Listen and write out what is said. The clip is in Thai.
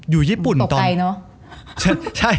อยู่ญี่ปุ่นตกใจเนอะ